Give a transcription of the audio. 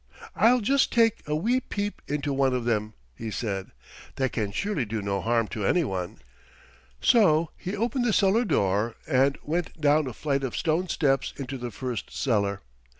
"I'll just take a wee peep into one of them," he said. "That can surely do no harm to any one." So he opened the cellar door and went down a flight of stone steps into the first cellar.